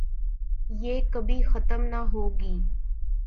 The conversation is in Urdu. یہ کبھی ختم نہ ہوگی ۔